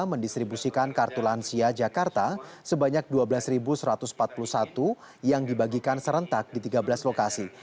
mendistribusikan kartu lansia jakarta sebanyak dua belas satu ratus empat puluh satu yang dibagikan serentak di tiga belas lokasi